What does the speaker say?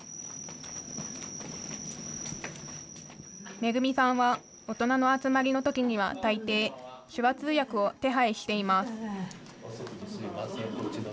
恵さんは大人の集まりのときには大抵、手話通訳を手配しています。